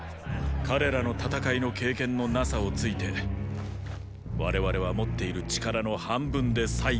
彼らの戦いの経験の無さをついて我々は持っている力の半分でを落とします！